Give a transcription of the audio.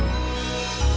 kamu mau ke rumah